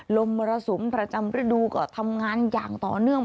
มรสุมประจำฤดูก็ทำงานอย่างต่อเนื่อง